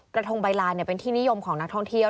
ทงใบลานเป็นที่นิยมของนักท่องเที่ยว